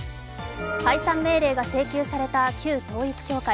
解散命令が請求された旧統一教会。